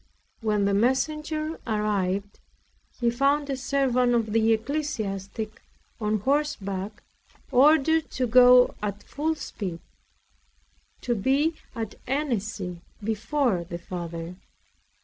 When the messenger arrived, he found a servant of the ecclesiastic on horseback, ordered to go at full speed, to be at Annecy before the Father.